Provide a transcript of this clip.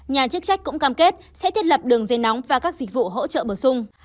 nhà chức trách cũng cam kết sẽ thiết lập đường dây nóng và các dịch vụ hỗ trợ bổ sung